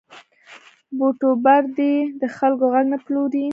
یوټوبر دې د خلکو غږ نه پلوري.